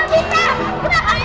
sudah siap semuanya